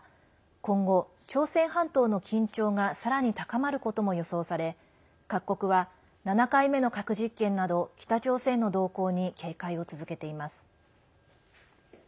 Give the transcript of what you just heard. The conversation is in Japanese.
今後、朝鮮半島の緊張がさらに高まることも予想され各国は７回目の核実験など北朝鮮の動向に警戒を続けています。